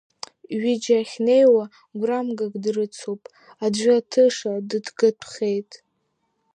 Ҩыџьа ахьнеиуа гәрамгак дрыцуп, аӡәы атыша дыҭгатәхеит.